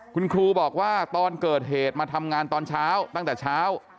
คุณครูบอกว่าตอนเกิดเหตุมาทำงานตอนเช้าตั้งแต่เช้า